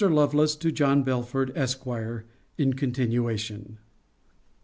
LOVELACE, TO JOHN BELFORD, ESQ. [IN CONTINUATION.